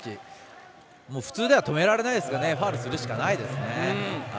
普通では止められないですからファウルするしかないですよね。